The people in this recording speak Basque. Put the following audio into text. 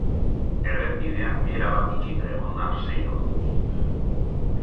Errepidea erabat itxita egon da sei orduz.